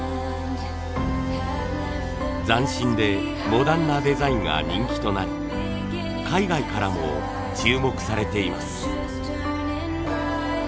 斬新でモダンなデザインが人気となり海外からも注目されています。